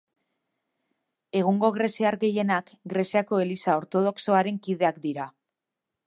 Egungo greziar gehienak Greziako Eliza Ortodoxoaren kideak dira.